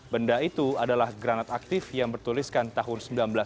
benda itu adalah granat aktif yang bertuliskan tahun seribu sembilan ratus sembilan puluh